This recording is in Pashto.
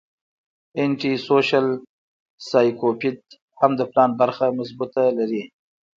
انټي سوشل سايکوپېت هم د پلان برخه مضبوطه لري